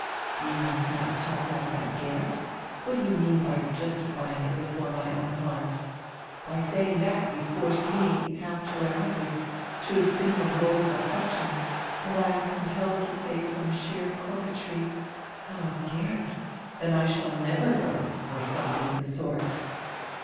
"You must not talk like that, Geert What do you mean by 'justifying it before my own heart?' By saying that you force me, half tyrannically, to assume a role of affec tion, and I am compelled to say from sheer coquetry: 'Ah, Geert, then I shall never go.' Or some tiling of the sort."